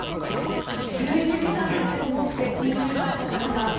１１時間立てこもって緊急逮捕された